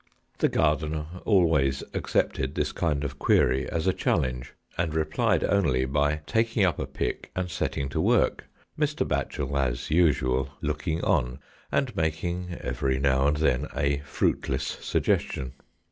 The gardener always accepted this kind of query as a chal lenge, and replied only by taking up a pick and setting to work, Mr. Batchel, as usual, looking on, and making, every now and then, a fruitless suggestion.